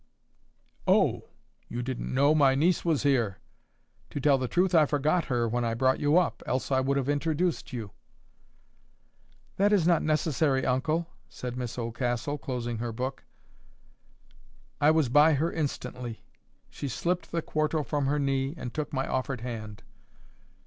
"Oh! you didn't know my niece was here? To tell the truth, I forgot her when I brought you up, else I would have introduced you." "That is not necessary, uncle," said Miss Oldcastle, closing her book. I was by her instantly. She slipped the quarto from her knee, and took my offered hand.